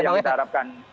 itu yang kita harapkan